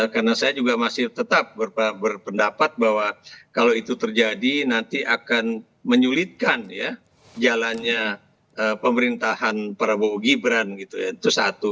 karena saya juga masih tetap berpendapat bahwa kalau itu terjadi nanti akan menyulitkan ya jalannya pemerintahan prabowo gibran gitu ya itu satu